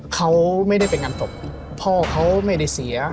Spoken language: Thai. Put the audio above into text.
เขาไม่ได้เป็นการตบพ่อเขาไม่ได้เสีย